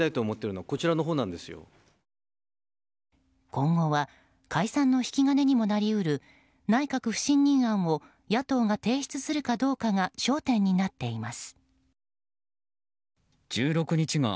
今後は解散の引き金にもなり得る内閣不信任案を野党が提出するかどうかが焦点になっています。